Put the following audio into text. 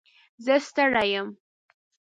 زه ستړی یم.